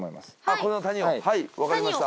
はいわかりました。